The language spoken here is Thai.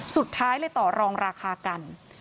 สุดท้ายเลยต่อรองราคากัน